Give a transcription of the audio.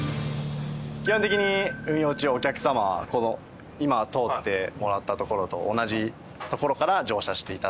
基本的に運用中お客様はこの今通ってもらった所と同じ所から乗車して頂いて。